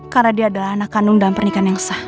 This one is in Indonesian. karena dia adalah anak kandung dalam pernikahan yang sah